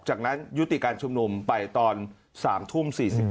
จากนั้นยุติการชุมนุมไปตอน๓ทุ่ม๔๕